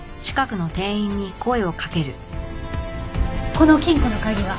この金庫の鍵は？